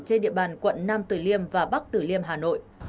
trên địa bàn quận nam tử liêm và bắc tử liêm hà nội